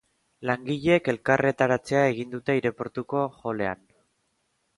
Langileek elkarretaratzea egin dute aireportuko hallean.